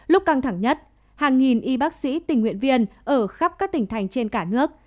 lúc căng thẳng nhất hàng nghìn y bác sĩ tình nguyện viên ở khắp các tỉnh thành trên cả nước